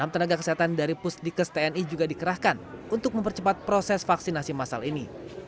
enam tenaga kesehatan dari pusdikes tni juga dikerahkan untuk mempercepat proses vaksinasi masal ini